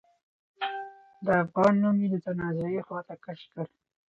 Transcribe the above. د افغان نوم يې د تنازعې خواته کش کړ.